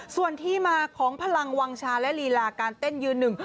ส่วนที่มาของพลังวังชาและลีลาการเต้นยืนหนึ่ง